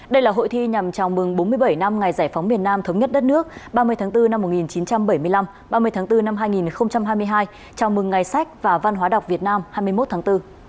đây là hội thi nhằm chào mừng bốn mươi bảy năm ngày giải phóng miền nam thống nhất đất nước ba mươi tháng bốn năm một nghìn chín trăm bảy mươi năm ba mươi tháng bốn năm hai nghìn hai mươi hai chào mừng ngày sách và văn hóa đọc việt nam hai mươi một tháng bốn